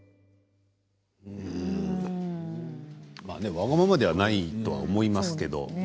わがままではないと思いますけれどね。